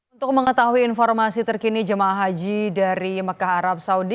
untuk mengetahui informasi terkini jemaah haji dari mekah arab saudi